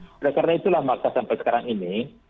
oleh karena itulah maka sampai sekarang ini